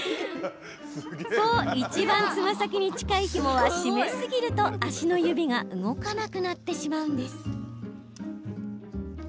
そういちばんつま先に近いひもは締め過ぎると、足の指が動かなくなってしまうんです。